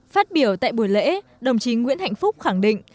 phát biểu tại buổi lễ đồng chí nguyễn hạnh phúc khẳng định